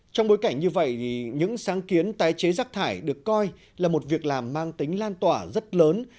trong bối cảnh như vậy những sáng kiến tái chế rác thải được coi là một việc làm mang tính lan tỏa rất lớn